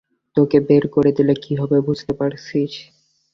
তোকে বের করে দিলে কি হবে বুঝতে পারছিস?